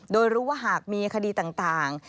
โดยรู้ว่าหากมีคดีต่าง